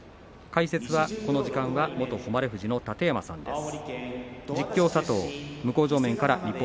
解説は、この時間は元誉富士の楯山さんです。